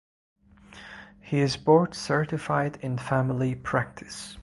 He is board certified in family practice.